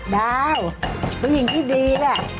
ดาวผู้หญิงที่ดีแหละ